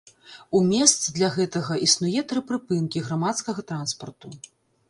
У месц для гэтага існуе тры прыпынкі грамадскага транспарту.